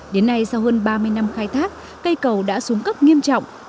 đến nay sau hơn ba mươi năm khai thác cây cầu đã xuống cấp nghiêm trọng